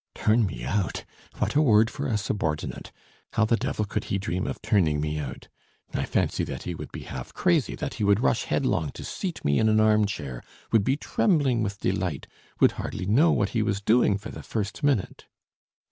Turn me out! What a word for a subordinate! How the devil could he dream of turning me out! I fancy that he would be half crazy, that he would rush headlong to seat me in an arm chair, would be trembling with delight, would hardly know what he was doing for the first minute!